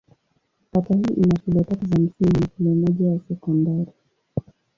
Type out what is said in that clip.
Kata hii ina shule tatu za msingi na shule moja ya sekondari.